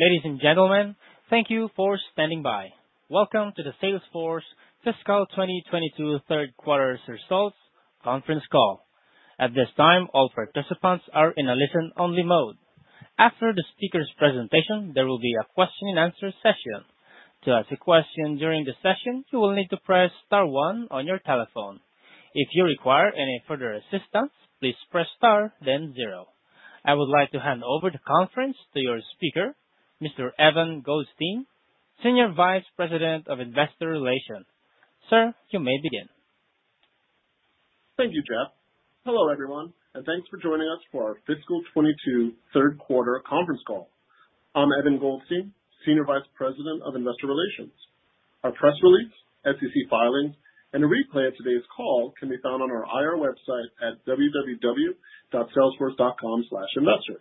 Ladies and gentlemen, thank you for standing by. Welcome to the Salesforce Fiscal 2022 Third Quarter Results Conference Call. At this time, all participants are in a listen only mode. After the speaker's presentation, there will be a question and answer session. To ask a question during the session, you will need to press star one on your telephone. If you require any further assistance, please press star then zero. I would like to hand over the conference to your speaker, Mr. Evan Goldstein, Senior Vice President of Investor Relations. Sir, you may begin. Thank you, Jeff. Hello, everyone, and thanks for joining us for our fiscal 2022 third quarter conference call. I'm Evan Goldstein, Senior Vice President of Investor Relations. Our press release, SEC filings, and a replay of today's call can be found on our IR website at www.salesforce.com/investor.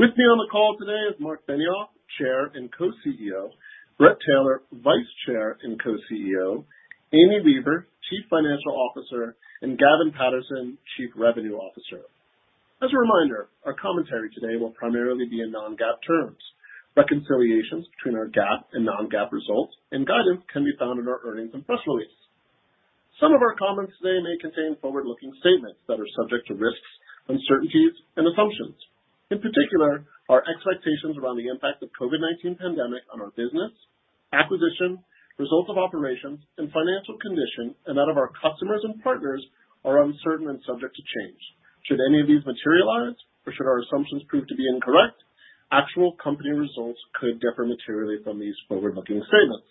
With me on the call today is Marc Benioff, Chair and Co-CEO, Bret Taylor, Vice Chair and Co-CEO, Amy Weaver, Chief Financial Officer, and Gavin Patterson, Chief Revenue Officer. As a reminder, our commentary today will primarily be in non-GAAP terms. Reconciliations between our GAAP and non-GAAP results and guidance can be found in our earnings and press release. Some of our comments today may contain forward-looking statements that are subject to risks, uncertainties and assumptions. In particular, our expectations around the impact of COVID-19 pandemic on our business, acquisitions, results of operations, and financial condition, and that of our customers and partners are uncertain and subject to change. Should any of these materialize or should our assumptions prove to be incorrect, actual company results could differ materially from these forward-looking statements.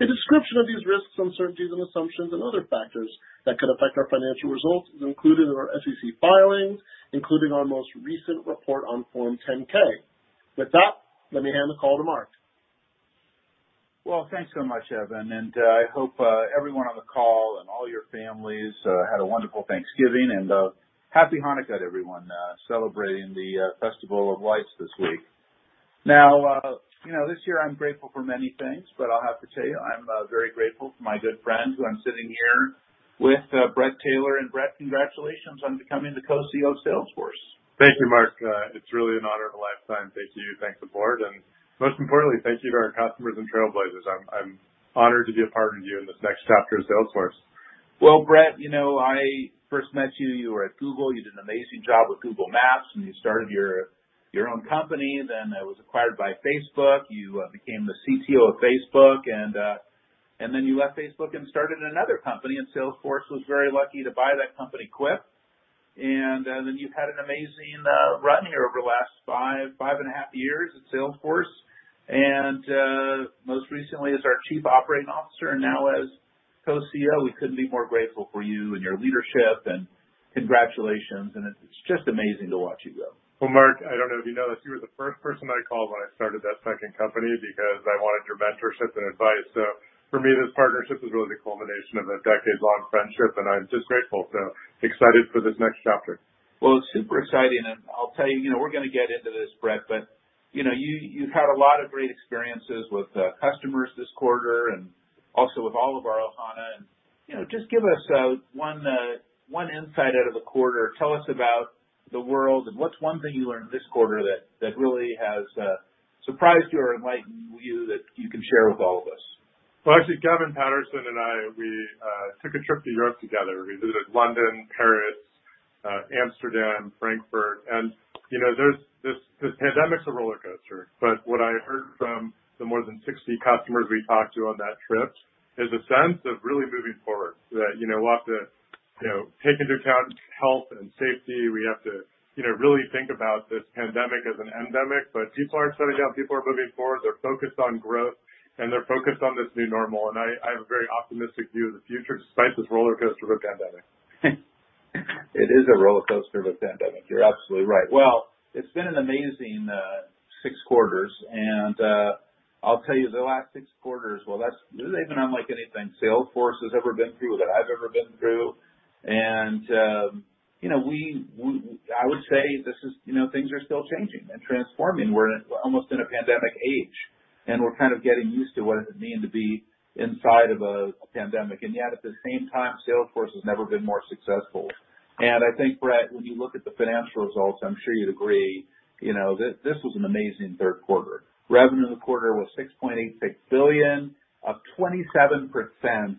A description of these risks, uncertainties and assumptions and other factors that could affect our financial results is included in our SEC filings, including our most recent report on Form 10-K. With that, let me hand the call to Marc. Well, thanks so much, Evan, and I hope everyone on the call and all your families had a wonderful Thanksgiving and Happy Hanukkah to everyone celebrating the festival of lights this week. Now, you know, this year I'm grateful for many things, but I'll have to tell you, I'm very grateful for my good friend who I'm sitting here with, Bret Taylor. Bret, congratulations on becoming the Co-CEO of Salesforce. Thank you, Marc. It's really an honor of a lifetime. Thank you. Thanks to the board, and most importantly, thank you to our customers and Trailblazers. I'm honored to be a partner to you in this next chapter of Salesforce. Well, Bret, you know, I first met you were at Google. You did an amazing job with Google Maps, and you started your own company. Then it was acquired by Facebook. You became the CTO of Facebook and then you left Facebook and started another company, and Salesforce was very lucky to buy that company, Quip. Then you've had an amazing run here over the last five and a half years at Salesforce. Most recently as our Chief Operating Officer and now as Co-CEO, we couldn't be more grateful for you and your leadership, and congratulations, and it's just amazing to watch you grow. Well, Marc, I don't know if you know this. You were the first person I called when I started that second company because I wanted your mentorship and advice. For me, this partnership is really the culmination of a decades-long friendship, and I'm just grateful. Excited for this next chapter. Well, it's super exciting. I'll tell you know, we're gonna get into this, Bret, but, you know, you've had a lot of great experiences with customers this quarter and also with all of our Ohana. You know, just give us one insight out of the quarter. Tell us about the world, and what's one thing you learned this quarter that really has surprised you or enlightened you that you can share with all of us? Well, actually, Gavin Patterson and I, we took a trip to Europe together. We visited London, Paris, Amsterdam, Frankfurt. You know, there's this pandemic's a roller coaster, but what I heard from the more than 60 customers we talked to on that trip is a sense of really moving forward, that, you know, we'll have to, you know, take into account health and safety. We have to, you know, really think about this pandemic as an endemic. People aren't shutting down. People are moving forward. They're focused on growth, and they're focused on this new normal. I have a very optimistic view of the future despite this roller coaster of a pandemic. It is a roller coaster of a pandemic. You're absolutely right. Well, it's been an amazing six quarters. I'll tell you, the last six quarters. Well, that's really been unlike anything Salesforce has ever been through, that I've ever been through. You know, I would say this is, you know, things are still changing and transforming. We're almost in a pandemic age, and we're kind of getting used to what does it mean to be inside of a pandemic. Yet, at the same time, Salesforce has never been more successful. I think, Bret, when you look at the financial results, I'm sure you'd agree, you know, this was an amazing third quarter. Revenue in the quarter was $6.86 billion, up 27%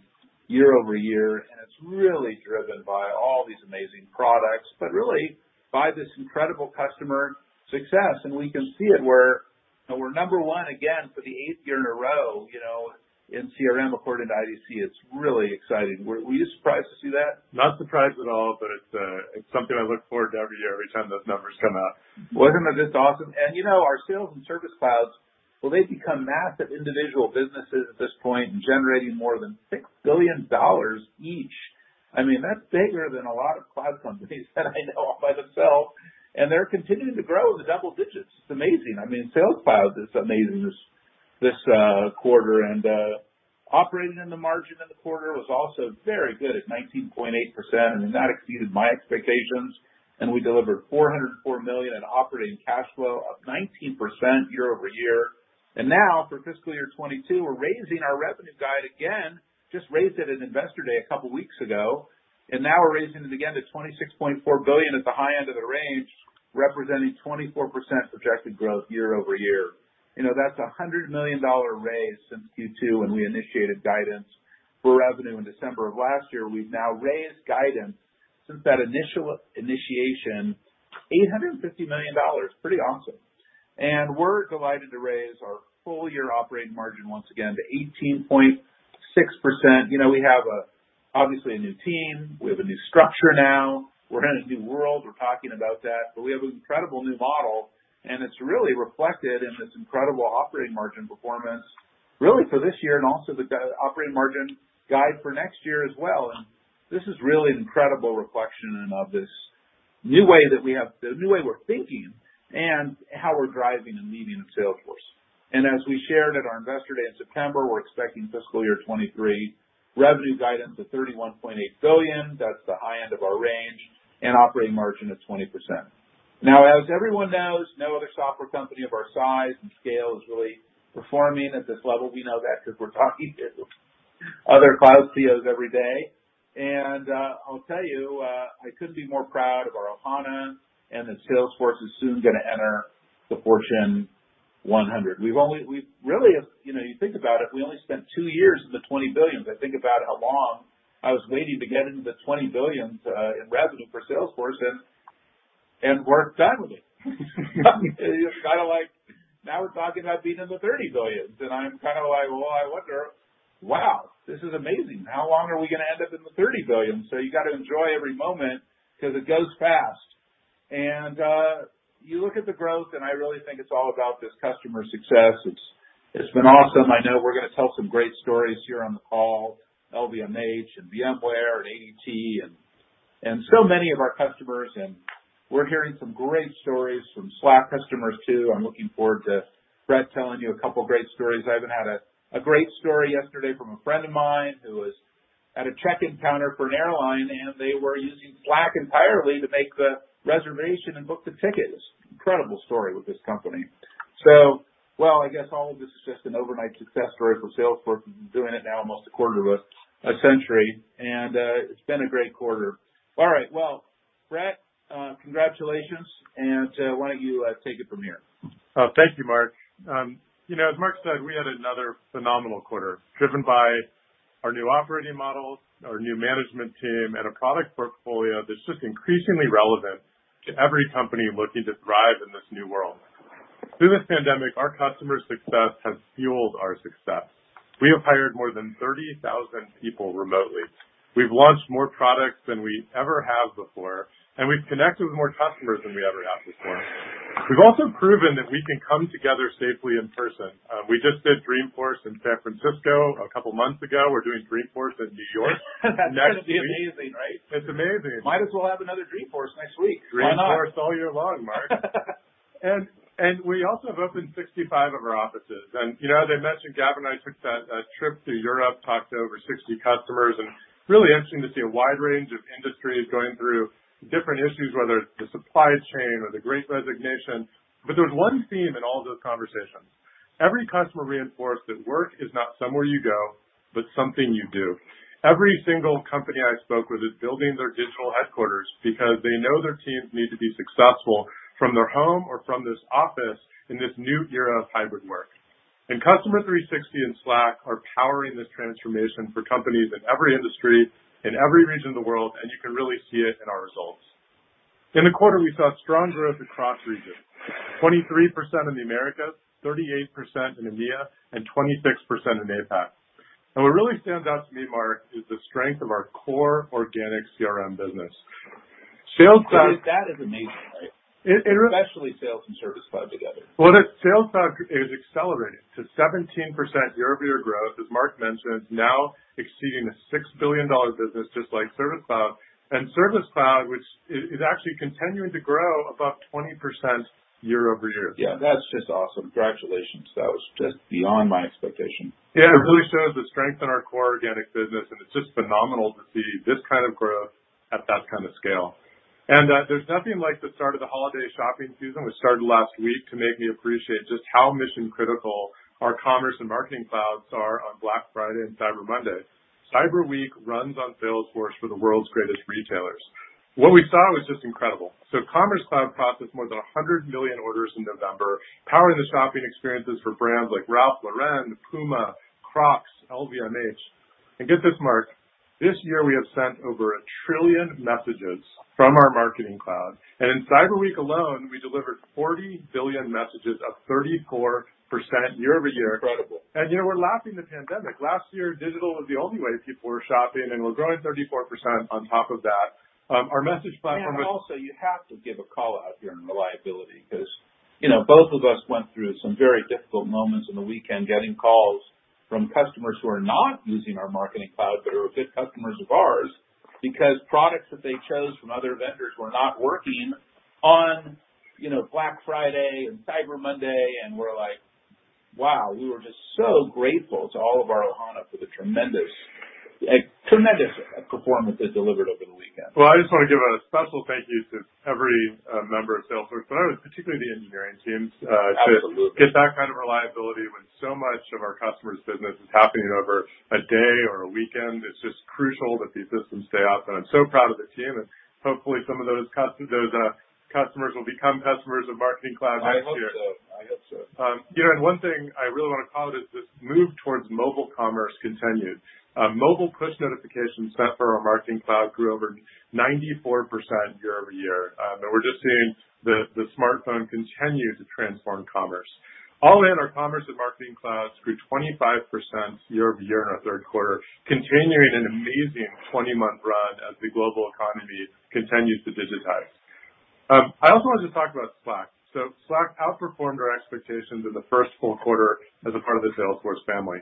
year-over-year, and it's really driven by all these amazing products, but really by this incredible customer success. We can see it. We're, you know, we're number one again for the eighth year in a row, you know, in CRM according to IDC. It's really exciting. Were you surprised to see that? Not surprised at all, but it's something I look forward to every year, every time those numbers come out. Well, isn't it just awesome? You know, our Sales and Service Clouds, well, they've become massive individual businesses at this point and generating more than $6 billion each. I mean, that's bigger than a lot of cloud companies that I know all by themselves, and they're continuing to grow in the double digits. It's amazing. I mean, Sales Cloud is amazing this quarter. Operating margin in the quarter was also very good at 19.8%, and that exceeded my expectations, and we delivered $404 million in operating cash flow, up 19% year-over-year. Now for fiscal year 2022, we're raising our revenue guide again. Just raised it at Investor Day a couple weeks ago, and now we're raising it again to $26.4 billion at the high end of the range, representing 24% projected growth year-over-year. You know, that's a $100 million raise since Q2 when we initiated guidance for revenue in December of last year. We've now raised guidance since that initial initiation, $850 million. Pretty awesome. We're delighted to raise our full year operating margin once again to 18.6%. You know, we have, obviously, a new team. We have a new structure now. We're in a new world. We're talking about that. We have an incredible new model, and it's really reflected in this incredible operating margin performance, really for this year and also the operating margin guide for next year as well. This is really an incredible reflection of this new way we're thinking and how we're driving and leading Salesforce. As we shared at our Investor Day in September, we're expecting fiscal year 2023 revenue guidance of $31.8 billion, that's the high end of our range, and operating margin of 20%. Now, as everyone knows, no other software company of our size and scale is really performing at this level. We know that 'cause we're talking to other cloud CEOs every day. I'll tell you, I couldn't be more proud of our ohana and that Salesforce is soon gonna enter the Fortune 100. You know, you think about it, we only spent two years in the $20 billion. I think about how long I was waiting to get into the $20 billion in revenue for Salesforce, and we're done with it. It's kind of like now we're talking about being in the $30 billion, and I'm kind of like, "Well, I wonder. Wow, this is amazing. How long are we gonna end up in the $30 billion?" You gotta enjoy every moment 'cause it goes fast. You look at the growth, and I really think it's all about this customer success. It's been awesome. I know we're gonna tell some great stories here on the call, LVMH and VMware and ADT and so many of our customers, and we're hearing some great stories from Slack customers, too. I'm looking forward to Bret telling you a couple great stories. I even had a great story yesterday from a friend of mine who was at a check-in counter for an airline, and they were using Slack entirely to make the reservation and book the ticket. It's an incredible story with this company. Well, I guess all of this is just an overnight success story for Salesforce. We've been doing it now almost a quarter of a century, and it's been a great quarter. All right. Well, Bret, congratulations, and why don't you take it from here? Oh, thank you, Marc. You know, as Marc said, we had another phenomenal quarter driven by our new operating models, our new management team, and a product portfolio that's just increasingly relevant to every company looking to thrive in this new world. Through the pandemic, our customer success has fueled our success. We have hired more than 30,000 people remotely. We've launched more products than we ever have before, and we've connected with more customers than we ever have before. We've also proven that we can come together safely in person. We just did Dreamforce in San Francisco a couple months ago. We're doing Dreamforce in New York next week. That's gonna be amazing, right? It's amazing. Might as well have another Dreamforce next week. Why not? Dreamforce all year long, Marc. We also have opened 65 of our offices. You know, as I mentioned, Gavin and I took a trip to Europe, talked to over 60 customers, and really interesting to see a wide range of industries going through different issues, whether it's the supply chain or the great resignation. There was one theme in all those conversations. Every customer reinforced that work is not somewhere you go, but something you do. Every single company I spoke with is building their digital headquarters because they know their teams need to be successful from their home or from this office in this new era of hybrid work. Customer 360 and Slack are powering this transformation for companies in every industry, in every region of the world, and you can really see it in our results. In the quarter, we saw strong growth across regions. 23% in the Americas, 38% in EMEA, and 26% in APAC. What really stands out to me, Marc, is the strength of our core organic CRM business. Sales Cloud- That is amazing, right? It, it really- Especially Sales Cloud and Service Cloud together. Well, the Sales Cloud is accelerating to 17% year-over-year growth, as Marc mentioned. It's now exceeding a $6 billion business just like Service Cloud, and Service Cloud, which is actually continuing to grow above 20% year-over-year. Yeah, that's just awesome. Congratulations. That was just beyond my expectation. Yeah, it really shows the strength in our core organic business, and it's just phenomenal to see this kind of growth at that kind of scale. There's nothing like the start of the holiday shopping season, which started last week, to make me appreciate just how mission critical our Commerce Cloud and Marketing Cloud are on Black Friday and Cyber Monday. Cyber Week runs on Salesforce for the world's greatest retailers. What we saw was just incredible. Commerce Cloud processed more than 100 million orders in November, powering the shopping experiences for brands like Ralph Lauren, PUMA, Crocs, LVMH. Get this, Marc, this year we have sent over 1 trillion messages from our Marketing Cloud. In Cyber Week alone, we delivered 40 billion messages, up 34% year-over-year. Incredible. You know, we're lapping the pandemic. Last year, digital was the only way people were shopping, and we're growing 34% on top of that. Our message platform was Also, you have to give a call-out here on reliability 'cause, you know, both of us went through some very difficult moments on the weekend, getting calls from customers who are not using our Marketing Cloud but are good customers of ours because products that they chose from other vendors were not working on, you know, Black Friday and Cyber Monday. We're like, wow, we were just so grateful to all of our ohana for the tremendous performance delivered over the weekend. Well, I just want to give a special thank you to every member of Salesforce, but particularly the engineering teams. Absolutely. To get that kind of reliability when so much of our customer's business is happening over a day or a weekend, it's just crucial that these systems stay up. I'm so proud of the team, and hopefully some of those customers will become customers of Marketing Cloud next year. I hope so. I hope so. You know, one thing I really wanna call it is this move towards mobile commerce continued. Mobile push notifications sent for our Marketing Cloud grew over 94% year-over-year. We're just seeing the smartphone continue to transform commerce. All in our Commerce and Marketing Clouds grew 25% year-over-year in our third quarter, continuing an amazing 20-month run as the global economy continues to digitize. I also wanted to talk about Slack. Slack outperformed our expectations in the first full quarter as a part of the Salesforce family.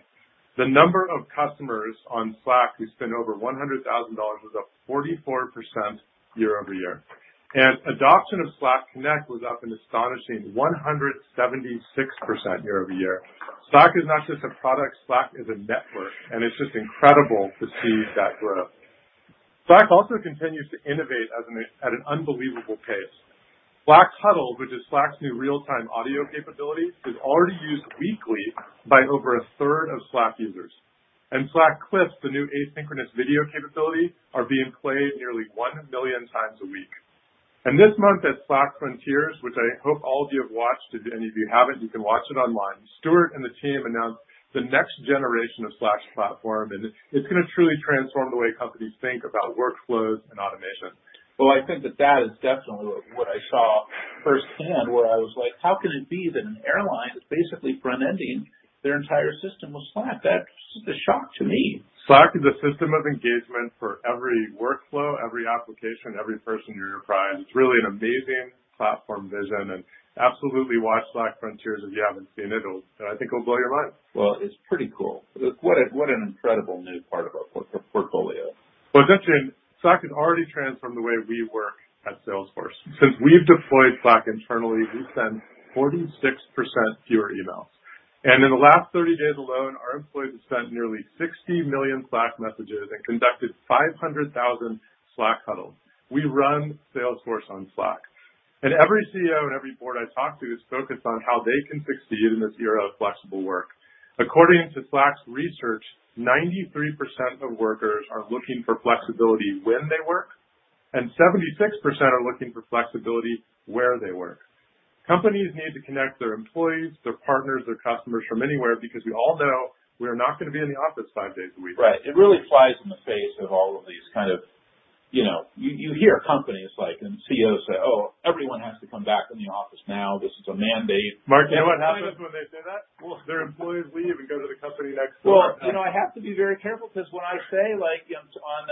The number of customers on Slack who spend over $100,000 was up 44% year-over-year. Adoption of Slack Connect was up an astonishing 176% year-over-year. Slack is not just a product, Slack is a network, and it's just incredible to see that growth. Slack also continues to innovate at an unbelievable pace. Slack Huddles, which is Slack's new real-time audio capability, is already used weekly by over a third of Slack users. Slack Clips, the new asynchronous video capability, are being played nearly 1 million times a week. This month at Slack Frontiers, which I hope all of you have watched, if any of you haven't, you can watch it online. Stewart and the team announced the next generation of Slack's platform, and it's gonna truly transform the way companies think about workflows and automation. Well, I think that is definitely what I saw firsthand, where I was like, how can it be that an airline is basically front-ending their entire system with Slack? That was a shock to me. Slack is a system of engagement for every workflow, every application, every person in your enterprise. It's really an amazing platform vision. Absolutely watch Slack Frontiers if you haven't seen it'll, I think it'll blow your mind. Well, it's pretty cool. What an incredible new part of our portfolio. Well, it's interesting. Slack had already transformed the way we work at Salesforce. Since we've deployed Slack internally, we've sent 46% fewer emails. In the last 30 days alone, our employees have sent nearly 60 million Slack messages and conducted 500,000 Slack Huddles. We run Salesforce on Slack. Every CEO and every board I talk to is focused on how they can succeed in this era of flexible work. According to Slack's research, 93% of workers are looking for flexibility when they work, and 76% are looking for flexibility where they work. Companies need to connect their employees, their partners, their customers from anywhere because we all know we are not gonna be in the office five days a week. Right. It really flies in the face of all of these kind of, you know. You hear companies like, and CEOs say, "Oh, everyone has to come back in the office now. This is a mandate. Marc, you know what happens when they say that? Well, their employees leave and go to the company next door. Well, you know, I have to be very careful because when I say, like, on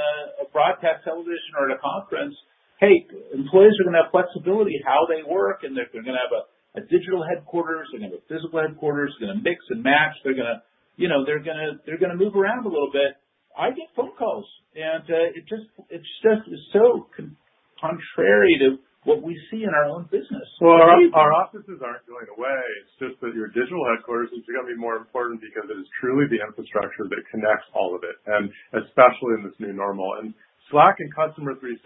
a broadcast television or at a conference, "Hey, employees are gonna have flexibility in how they work, and they're gonna have a digital headquarters, they're gonna have a physical headquarters, they're gonna mix and match. They're gonna, you know, move around a little bit," I get phone calls. It just, it's just so contrary to what we see in our own business. Well, our offices aren't going away. It's just that your digital headquarters is gonna be more important because it is truly the infrastructure that connects all of it, and especially in this new normal. Slack and Customer 360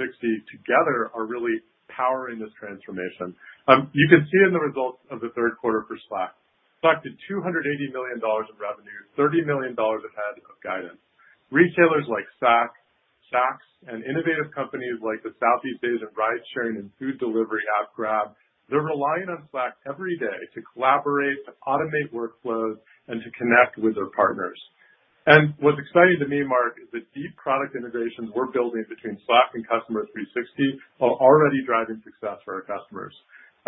together are really powering this transformation. You can see in the results of the third quarter for Slack. Slack did $280 million in revenue, $30 million ahead of guidance. Retailers like Saks and innovative companies like the Southeast Asia ride-sharing and food delivery app, Grab, they're relying on Slack every day to collaborate, to automate workflows, and to connect with their partners. What's exciting to me, Marc, is the deep product innovations we're building between Slack and Customer 360 are already driving success for our customers.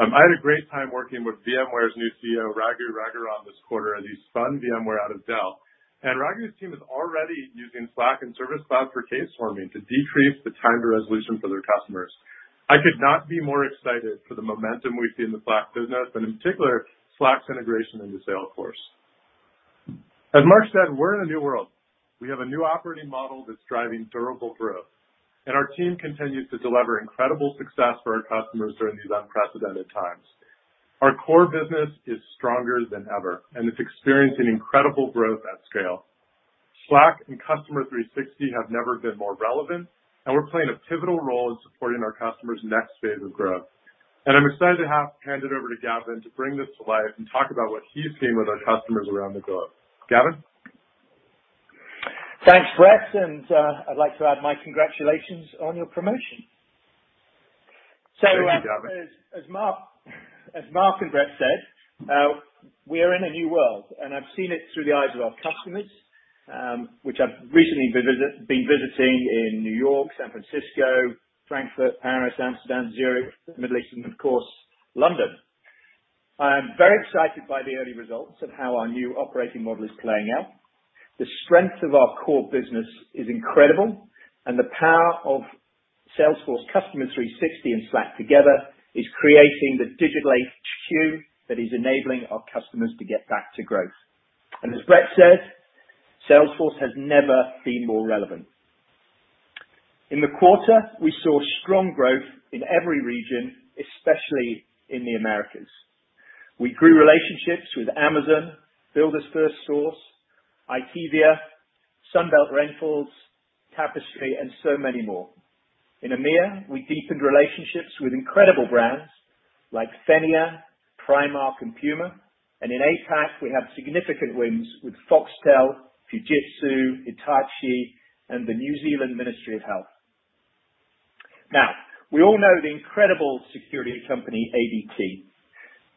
I had a great time working with VMware's new CEO, Raghu Raghuram, this quarter as he spun VMware out of Dell. Raghu's team is already using Slack and Service Cloud for case swarming to decrease the time to resolution for their customers. I could not be more excited for the momentum we see in the Slack business, and in particular, Slack's integration into Salesforce. As Marc said, we're in a new world. We have a new operating model that's driving durable growth, and our team continues to deliver incredible success for our customers during these unprecedented times. Our core business is stronger than ever, and it's experiencing incredible growth at scale. Slack and Customer 360 have never been more relevant, and we're playing a pivotal role in supporting our customers' next phase of growth. I'm excited to hand it over to Gavin to bring this to life and talk about what he's seeing with our customers around the globe. Gavin? Thanks, Bret. I'd like to add my congratulations on your promotion. Thank you, Gavin. As Marc and Bret said, we are in a new world, and I've seen it through the eyes of our customers, which I've recently been visiting in New York, San Francisco, Frankfurt, Paris, Amsterdam, Zurich, the Middle East, and of course, London. I am very excited by the early results of how our new operating model is playing out. The strength of our core business is incredible, and the power of Salesforce Customer 360 and Slack together is creating the digital HQ that is enabling our customers to get back to growth. As Bret said, Salesforce has never been more relevant. In the quarter, we saw strong growth in every region, especially in the Americas. We grew relationships with Amazon, Builders FirstSource, Itiviti, Sunbelt Rentals, Tapestry, and so many more. In EMEA, we deepened relationships with incredible brands like SENIA, Primark, and PUMA. In APAC, we have significant wins with Foxtel, Fujitsu, Hitachi, and the New Zealand Ministry of Health. Now, we all know the incredible security company, ADT.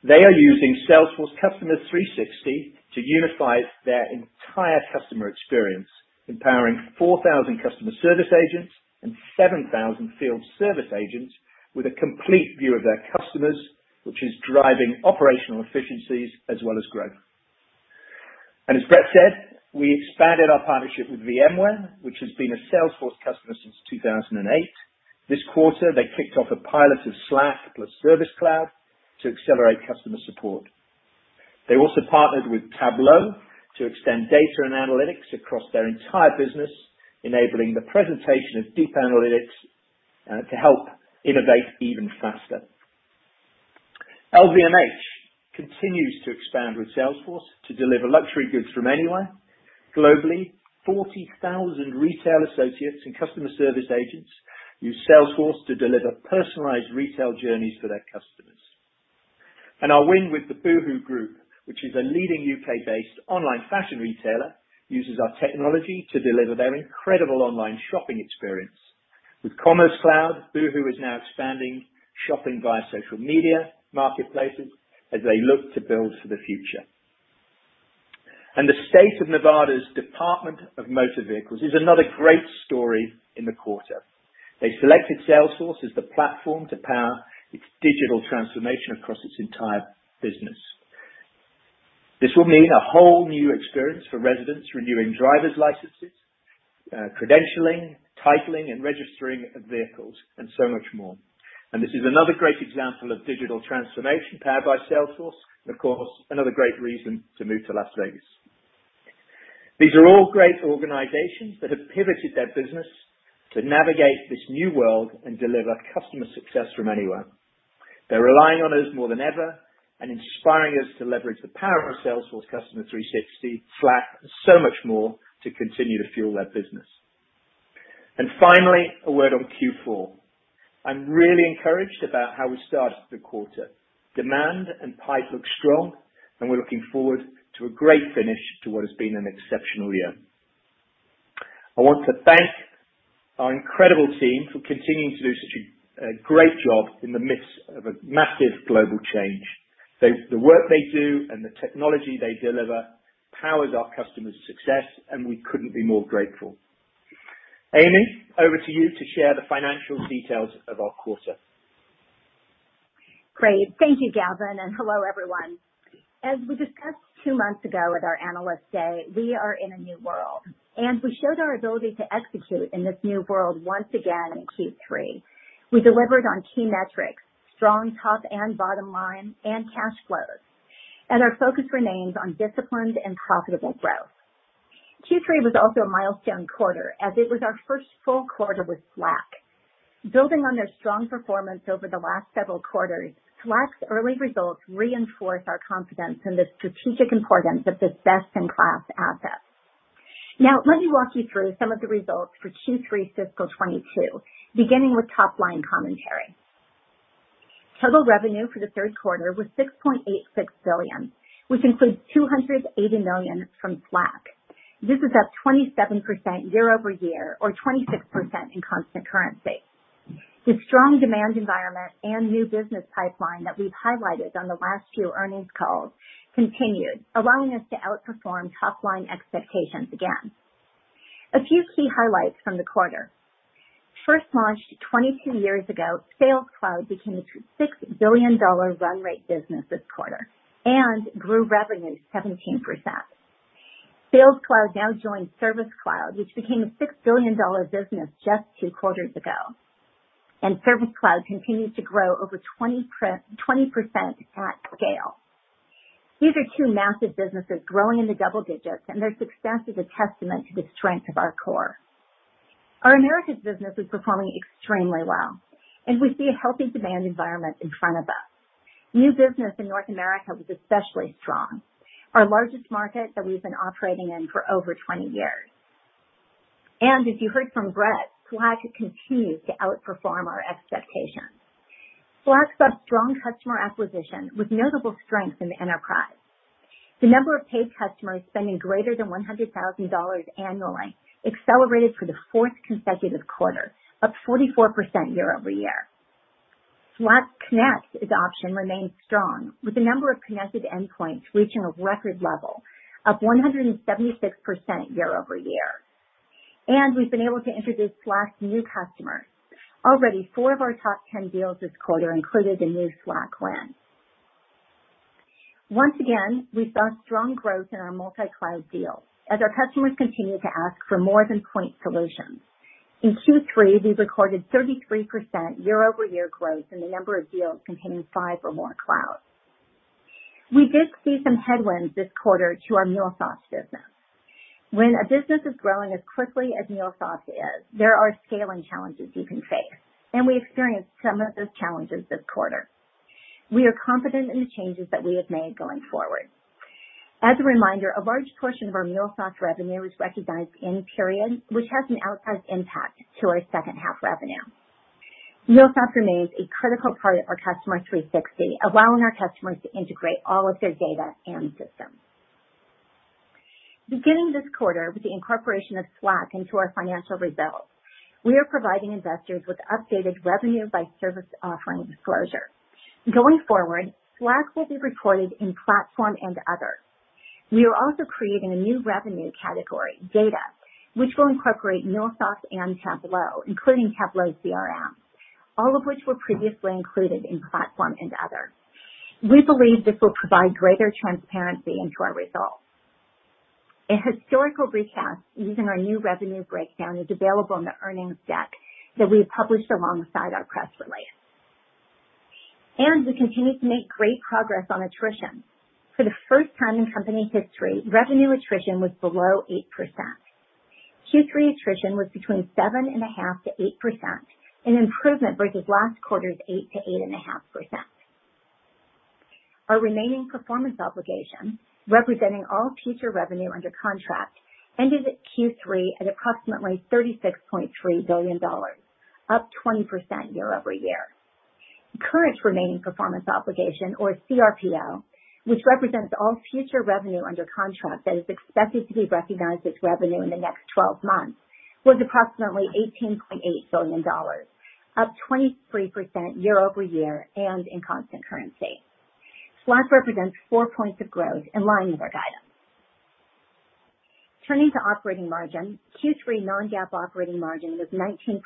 They are using Salesforce Customer 360 to unify their entire customer experience, empowering 4,000 customer service agents and 7,000 field service agents with a complete view of their customers, which is driving operational efficiencies as well as growth. As Bret said, we expanded our partnership with VMware, which has been a Salesforce customer since 2008. This quarter, they kicked off a pilot of Slack plus Service Cloud to accelerate customer support. They also partnered with Tableau to extend data and analytics across their entire business, enabling the presentation of deep analytics to help innovate even faster. LVMH continues to expand with Salesforce to deliver luxury goods from anywhere. Globally, 40,000 retail associates and customer service agents use Salesforce to deliver personalized retail journeys for their customers. Our win with the Boohoo Group, which is a leading U.K.-based online fashion retailer, uses our technology to deliver their incredible online shopping experience. With Commerce Cloud, Boohoo is now expanding shopping via social media marketplaces as they look to build for the future. The State of Nevada's Department of Motor Vehicles is another great story in the quarter. They selected Salesforce as the platform to power its digital transformation across its entire business. This will mean a whole new experience for residents renewing driver's licenses, credentialing, titling, and registering of vehicles, and so much more. This is another great example of digital transformation powered by Salesforce, and of course, another great reason to move to Las Vegas. These are all great organizations that have pivoted their business to navigate this new world and deliver customer success from anywhere. They're relying on us more than ever and inspiring us to leverage the power of Salesforce Customer 360, Slack, and so much more to continue to fuel their business. Finally, a word on Q4. I'm really encouraged about how we started the quarter. Demand and pipe look strong, and we're looking forward to a great finish to what has been an exceptional year. I want to thank our incredible team for continuing to do such a great job in the midst of a massive global change. The work they do and the technology they deliver powers our customers' success, and we couldn't be more grateful. Amy, over to you to share the financial details of our quarter. Great. Thank you, Gavin, and hello, everyone. As we discussed two months ago at our Analyst Day, we are in a new world, and we showed our ability to execute in this new world once again in Q3. We delivered on key metrics, strong top and bottom line and cash flows, and our focus remains on disciplined and profitable growth. Q3 was also a milestone quarter, as it was our first full quarter with Slack. Building on their strong performance over the last several quarters, Slack's early results reinforce our confidence in the strategic importance of this best-in-class asset. Now, let me walk you through some of the results for Q3 fiscal 2022, beginning with top-line commentary. Total revenue for the third quarter was $6.86 billion, which includes $280 million from Slack. This is up 27% year-over-year or 26% in constant currency. The strong demand environment and new business pipeline that we've highlighted on the last few earnings calls continued, allowing us to outperform top-line expectations again. A few key highlights from the quarter. First launched 22 years ago, Sales Cloud became a $6 billion run rate business this quarter and grew revenue 17%. Sales Cloud now joins Service Cloud, which became a $6 billion business just 2 quarters ago, and Service Cloud continues to grow over 20% at scale. These are two massive businesses growing in the double digits, and their success is a testament to the strength of our core. Our Americas business is performing extremely well, and we see a healthy demand environment in front of us. New business in North America was especially strong, our largest market that we've been operating in for over 20 years. As you heard from Bret, Slack continues to outperform our expectations. Slack saw strong customer acquisition with notable strength in the enterprise. The number of paid customers spending greater than $100,000 annually accelerated for the fourth consecutive quarter, up 44% year-over-year. Slack Connect adoption remains strong, with the number of connected endpoints reaching a record level, up 176% year-over-year. We've been able to introduce Slack's new customers. Already, four of our top 10 deals this quarter included a new Slack win. Once again, we saw strong growth in our multi-cloud deals as our customers continue to ask for more than point solutions. In Q3, we recorded 33% year-over-year growth in the number of deals containing five or more clouds. We did see some headwinds this quarter to our MuleSoft business. When a business is growing as quickly as MuleSoft is, there are scaling challenges you can face, and we experienced some of those challenges this quarter. We are confident in the changes that we have made going forward. As a reminder, a large portion of our MuleSoft revenue is recognized in period, which has an outsized impact to our second half revenue. MuleSoft remains a critical part of our Customer 360, allowing our customers to integrate all of their data and systems. Beginning this quarter with the incorporation of Slack into our financial results, we are providing investors with updated revenue by service offering disclosure. Going forward, Slack will be reported in Platform and Other. We are also creating a new revenue category, Data, which will incorporate MuleSoft and Tableau, including Tableau CRM, all of which were previously included in Platform and Other. We believe this will provide greater transparency into our results. A historical recast using our new revenue breakdown is available in the earnings deck that we have published alongside our press release. We continue to make great progress on attrition. For the first time in company history, revenue attrition was below 8%. Q3 attrition was between 7.5%-8%, an improvement versus last quarter's 8%-8.5%. Our remaining performance obligation, representing all future revenue under contract, ended at Q3 at approximately $36.3 billion, up 20% year-over-year. Current remaining performance obligation, or CRPO, which represents all future revenue under contract that is expected to be recognized as revenue in the next 12 months, was approximately $18.8 billion, up 23% year-over-year and in constant currency. Slack represents four points of growth in line with our guidance. Turning to operating margin, Q3 non-GAAP operating margin was 19.8%,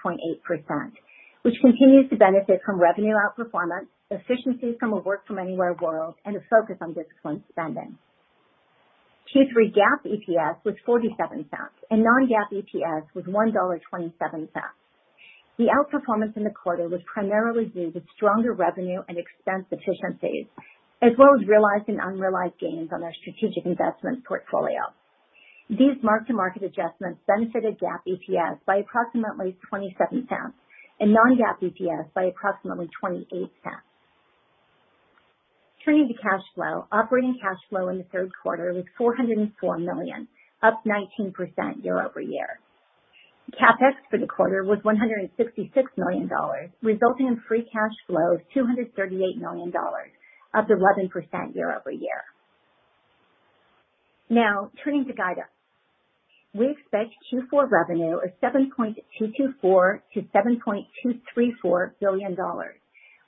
which continues to benefit from revenue outperformance, efficiencies from a work from anywhere world, and a focus on disciplined spending. Q3 GAAP EPS was $0.47 and non-GAAP EPS was $1.27. The outperformance in the quarter was primarily due to stronger revenue and expense efficiencies, as well as realized and unrealized gains on our strategic investment portfolio. These mark-to-market adjustments benefited GAAP EPS by approximately $0.27 and non-GAAP EPS by approximately $0.28. Turning to cash flow, operating cash flow in the third quarter was $404 million, up 19% year-over-year. CapEx for the quarter was $166 million, resulting in free cash flow of $238 million, up 11% year-over-year. Now, turning to guidance. We expect Q4 revenue of $7.224 billion-$7.234 billion,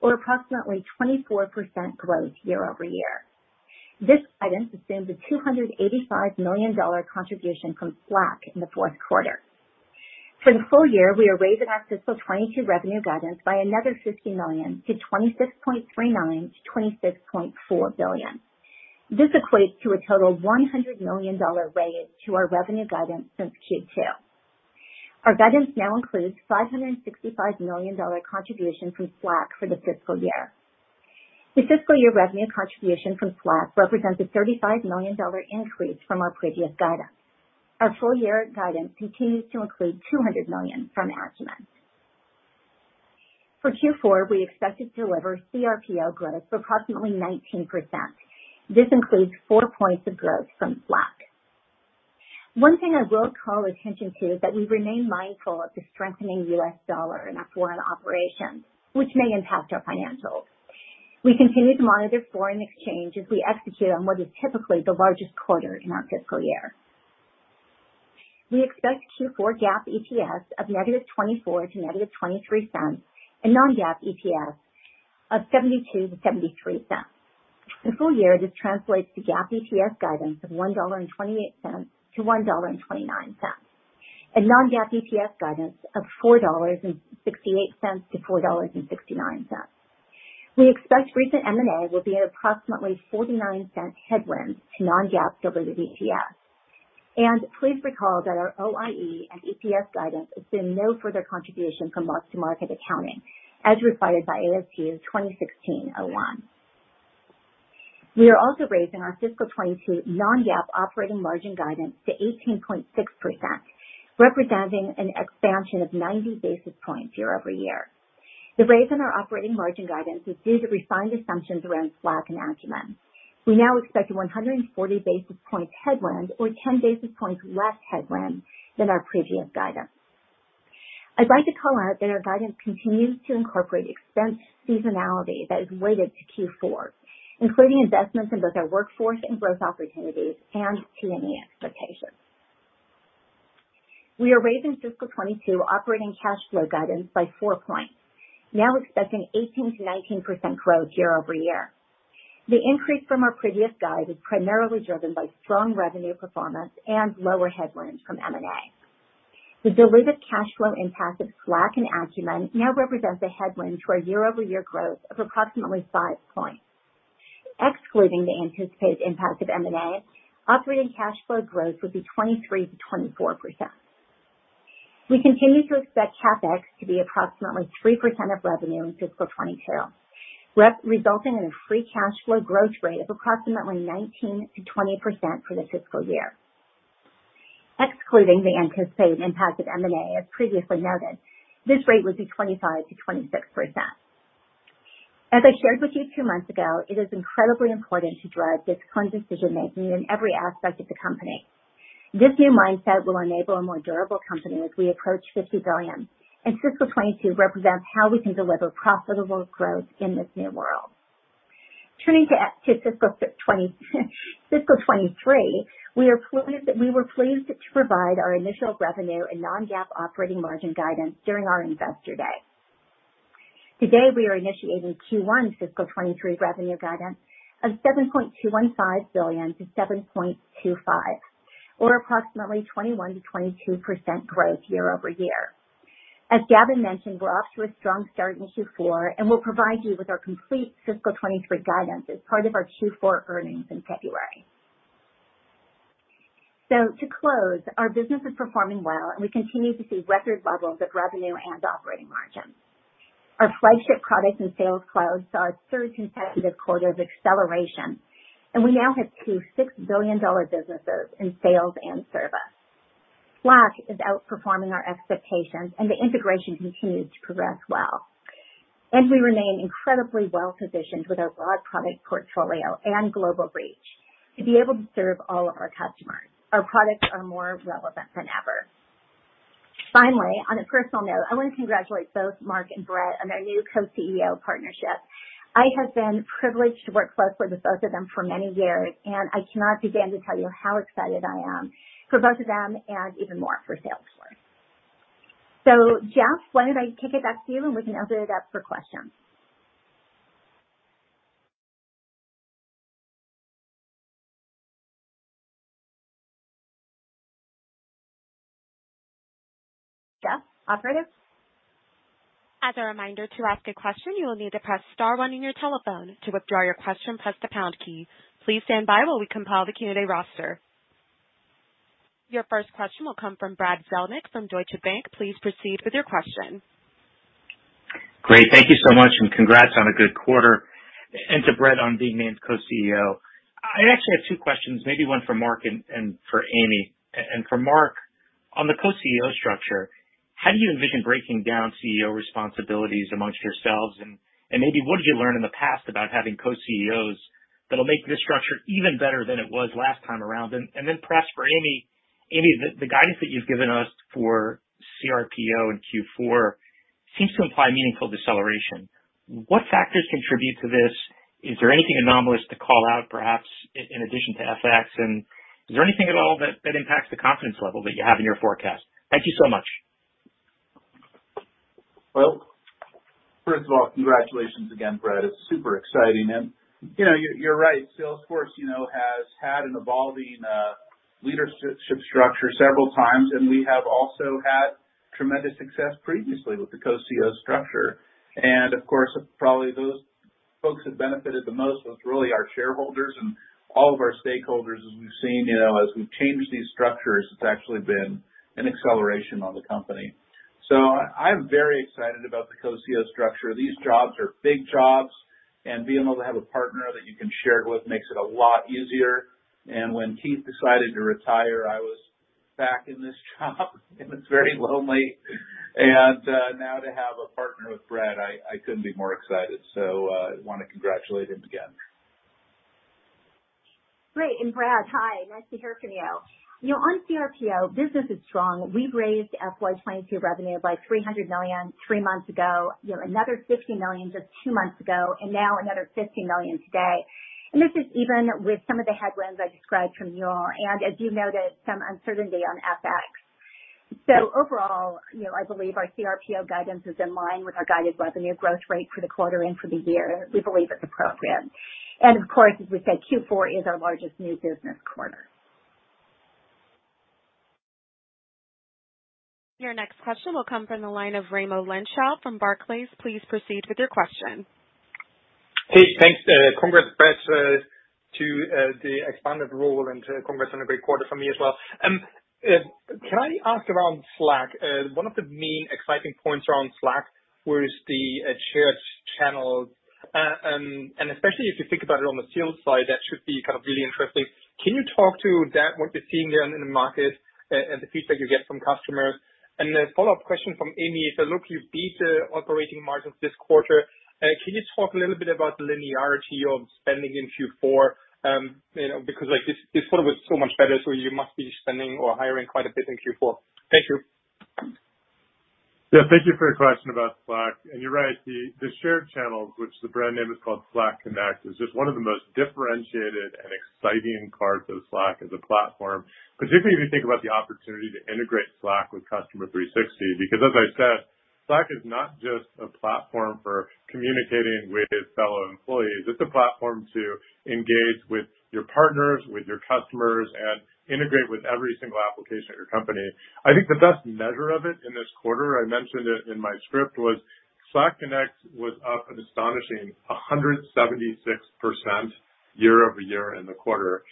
or approximately 24% growth year-over-year. This guidance assumes a $285 million contribution from Slack in the fourth quarter. For the full year, we are raising our fiscal 2022 revenue guidance by another 50 million to $26.39 billion-$26.4 billion. This equates to a total $100 million raise to our revenue guidance since Q2. Our guidance now includes $565 million contribution from Slack for the fiscal year. The fiscal year revenue contribution from Slack represents a $35 million increase from our previous guidance. Our full year guidance continues to include $200 million from Acumen. For Q4, we expect to deliver CRPO growth of approximately 19%. This includes four points of growth from Slack. One thing I will call attention to is that we remain mindful of the strengthening U.S. dollar in our foreign operations, which may impact our financials. We continue to monitor foreign exchange as we execute on what is typically the largest quarter in our fiscal year. We expect Q4 GAAP EPS of -$0.24 to -$0.23 and non-GAAP EPS of $0.72-$0.73. The full year, this translates to GAAP EPS guidance of $1.28-$1.29, and non-GAAP EPS guidance of $4.68-$4.69. We expect recent M&A will be an approximately $0.49 headwind to non-GAAP diluted EPS. Please recall that our OIE and EPS guidance assume no further contribution from mark-to-market accounting as required by ASU 2016-01. We are also raising our fiscal 2022 non-GAAP operating margin guidance to 18.6%, representing an expansion of 90 basis points year-over-year. The raise in our operating margin guidance is due to refined assumptions around Slack and Acumen. We now expect 140 basis points headwind or 10 basis points less headwind than our previous guidance. I'd like to call out that our guidance continues to incorporate expense seasonality that is weighted to Q4, including investments in both our workforce and growth opportunities and QME expectations. We are raising fiscal 2022 operating cash flow guidance by four points, now expecting 18%-19% growth year-over-year. The increase from our previous guide is primarily driven by strong revenue performance and lower headwinds from M&A. The delivered cash flow impact of Slack and Acumen now represents a headwind to our year-over-year growth of approximately five points. Excluding the anticipated impact of M&A, operating cash flow growth would be 23%-24%. We continue to expect CapEx to be approximately 3% of revenue in fiscal 2022, resulting in a free cash flow growth rate of approximately 19%-20% for the fiscal year. Excluding the anticipated impact of M&A, as previously noted, this rate would be 25%-26%. As I shared with you two months ago, it is incredibly important to drive disciplined decision-making in every aspect of the company. This new mindset will enable a more durable company as we approach $50 billion, and fiscal 2022 represents how we can deliver profitable growth in this new world. Turning to fiscal 2023, we were pleased to provide our initial revenue and non-GAAP operating margin guidance during our Investor Day. Today, we are initiating Q1 fiscal 2023 revenue guidance of $7.215 billion-$7.25 billion, or approximately 21%-22% growth year-over-year. As Gavin mentioned, we're off to a strong start in Q4, and we'll provide you with our complete fiscal 2023 guidance as part of our Q4 earnings in February. To close, our business is performing well, and we continue to see record levels of revenue and operating margins. Our flagship products in Sales Cloud saw our third consecutive quarter of acceleration, and we now have two $6 billion businesses in sales and service. Slack is outperforming our expectations, and the integration continues to progress well. We remain incredibly well-positioned with our broad product portfolio and global reach to be able to serve all of our customers. Our products are more relevant than ever. Finally, on a personal note, I want to congratulate both Marc and Bret on their new co-CEO partnership. I have been privileged to work closely with both of them for many years, and I cannot begin to tell you how excited I am for both of them and even more for Salesforce. Jeff, why don't I kick it back to you, and we can open it up for questions. Jeff, operator? As a reminder, to ask a question, you will need to press star one on your telephone. To withdraw your question, press the pound key. Please stand by while we compile the Q&A roster. Your first question will come from Brad Zelnick from Deutsche Bank. Please proceed with your question. Great. Thank you so much, and congrats on a good quarter, and to Bret on being named co-CEO. I actually have two questions, maybe one for Marc and for Amy. And for Marc, on the co-CEO structure, how do you envision breaking down CEO responsibilities among yourselves and maybe what did you learn in the past about having co-CEOs that'll make this structure even better than it was last time around? Then perhaps for Amy, the guidance that you've given us for CRPO in Q4 seems to imply meaningful deceleration. What factors contribute to this? Is there anything anomalous to call out, perhaps in addition to FX? And is there anything at all that impacts the confidence level that you have in your forecast? Thank you so much. Well, first of all, congratulations again, Bret. It's super exciting. You know, you're right. Salesforce, you know, has had an evolving leadership structure several times, and we have also had tremendous success previously with the co-CEO structure. Of course, probably those folks who benefited the most was really our shareholders and all of our stakeholders, as we've seen. You know, as we've changed these structures, it's actually been an acceleration on the company. I'm very excited about the co-CEO structure. These jobs are big jobs, and being able to have a partner that you can share it with makes it a lot easier. When Keith decided to retire, I was back in this job, and it's very lonely. Now to have a partner with Bret, I couldn't be more excited. I wanna congratulate him again. Great. Bret, hi. Nice to hear from you. You know, on CRPO, business is strong. We raised FY 2022 revenue by $300 million three months ago, you know, another $50 million just two months ago, and now another $50 million today. This is even with some of the headwinds I described from Mule, and as you noted, some uncertainty on FX. So overall, you know, I believe our CRPO guidance is in line with our guided revenue growth rate for the quarter and for the year. We believe it's appropriate. Of course, as we said, Q4 is our largest new business quarter. Your next question will come from the line of Raimo Lenschow from Barclays. Please proceed with your question. Hey, thanks. Congrats, Bret, to the expanded role and congrats on a great quarter from me as well. Can I ask around Slack? One of the main exciting points around Slack was the shared channels. And especially if you think about it on the sales side, that should be kind of really interesting. Can you talk to that, what you're seeing there in the market and the feedback you get from customers? A follow-up question from Amy. Look, you've beat operating margins this quarter. Can you talk a little bit about the linearity of spending in Q4? You know, because like this quarter was so much better, so you must be spending or hiring quite a bit in Q4. Thank you. Yeah, thank you for your question about Slack. You're right, the shared channels, which the brand name is called Slack Connect, is just one of the most differentiated and exciting parts of Slack as a platform, particularly if you think about the opportunity to integrate Slack with Customer 360. Because as I said, Slack is not just a platform for communicating with fellow employees. It's a platform to engage with your partners, with your customers, and integrate with every single application at your company. I think the best measure of it in this quarter, I mentioned it in my script, was. Slack Connect was up an astonishing 176% year-over-year in the quarter.